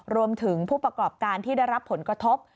ผู้ประกอบการที่ได้รับผลกระทบ